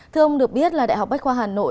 thưa ông được biết là đại học bách khoa hà nội